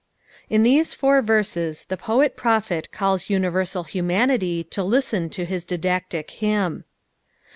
In these four verses the poet prophet calls unireraal humanitf to listen to hiB didactic hjmn.